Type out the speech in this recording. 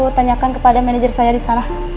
bisa diingatkan kepada manajer saya di sana